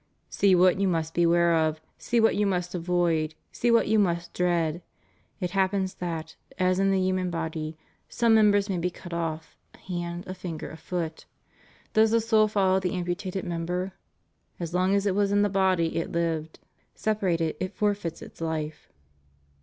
"See what you must beware of — see what you must avoid — see what you must dread. It happens that, as in the human body, some member may be cut off — a hand, a finger, a foot. Does the soul follow the amputated member? As long as it was in the body it Hved ; separated, it forfeits its hfe.